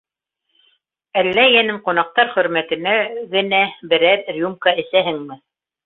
Әллә, йәнем, ҡунаҡтар хөрмәтенә генә берәр рюмка әсәһеңме?